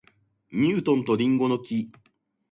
ニュートンと林檎の木